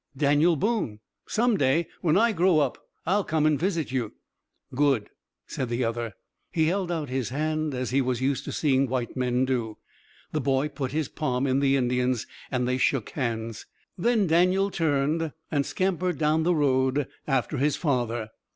"Daniel Boone. Some day, when I grow up, I'll come and visit you." "Good," said the other. He held out his hand as he was used to seeing white men do. The boy put his palm in the Indian's, and they shook hands. Then Daniel turned and scampered down the road after his father.